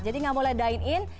jadi gak boleh dine in